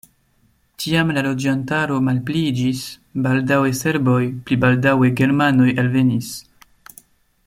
Tiam la loĝantaro malpliiĝis, baldaŭe serboj, pli baldaŭe germanoj alvenis.